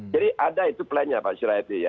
jadi ada itu plannya pak sirayati ya